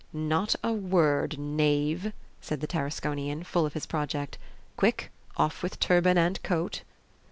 "Not a word, knave!" said the Tarasconian, full of his project. "Quick! Off with turban and coat!"